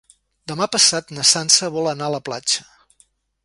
Demà passat na Sança vol anar a la platja.